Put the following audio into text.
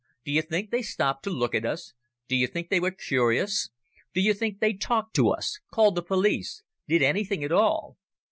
Do you think they stopped to look at us? Do you think they were curious? Do you think they talked to us? Called the police? Did anything at all?